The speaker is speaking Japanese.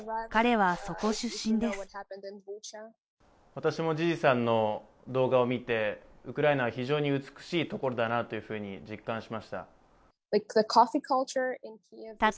私もジジさんの動画を見て、ウクライナは非常に美しいところだなというふうに実感しました。